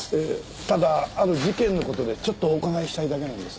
ただある事件の事でちょっとお伺いしたいだけなんです。